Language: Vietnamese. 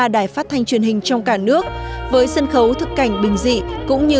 đài phát thanh truyền hình trong cả nước với sân khấu thực cảnh bình dị cũng như